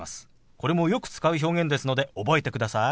これもよく使う表現ですので覚えてください。